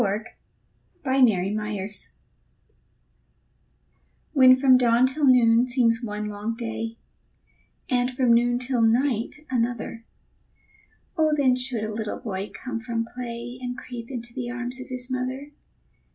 BREAKING THE DAY IN TWO When from dawn till noon seems one long day, And from noon till night another, Oh, then should a little boy come from play, And creep into the arms of his mother.